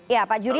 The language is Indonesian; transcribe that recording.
ya pak jury